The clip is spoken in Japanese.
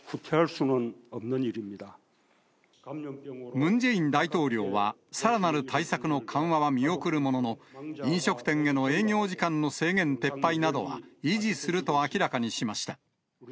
ムン・ジェイン大統領は、さらなる対策の緩和は見送るものの、飲食店への営業時間の制限撤廃などは維持すると明らかにしました。